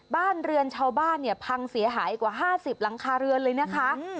บ้านเรือนชาวบ้านเนี่ยพังเสียหายกว่า๕๐หลังคาเรือนเลยนะคะ